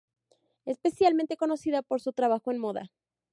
Especialmente conocida por su trabajo en moda.